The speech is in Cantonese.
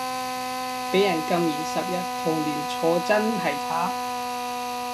畀人禁言十日同連坐真係慘